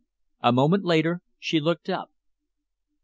A moment later she looked up.